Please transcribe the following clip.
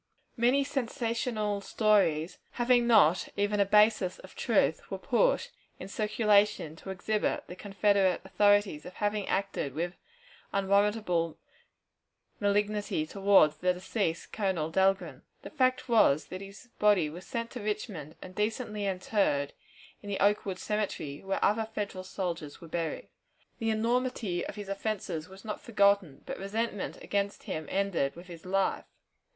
Many sensational stories, having not even a basis of truth, were put in circulation to exhibit the Confederate authorities as having acted with unwarrantable malignity toward the deceased Colonel Dahlgren. The fact was, that his body was sent to Richmond and decently interred in the Oakwood Cemetery, where other Federal soldiers were buried. The enormity of his offenses was not forgotten, but resentment against him ended with his life.